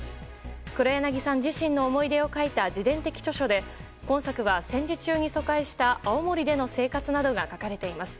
黒柳さん自身の思い出を描いた自伝的著書で今作は戦時中に疎開した青森での生活などが描かれています。